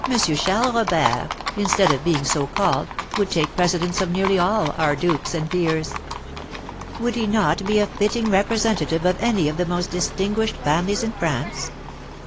Charles Robert, instead of being so called, would take precedence of nearly all our dukes and peers. Would he not be a fitting representative of any of the most distinguished families in France?"